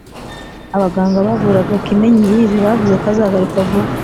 abaganga bavuraga kimenyi yves bavuze ko azagaruka vuba